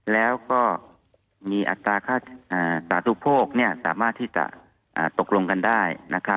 แล้วก็มีอัตราค่าสาธุโภคสามารถที่จะตกลงกันได้